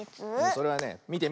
それはねみてみて。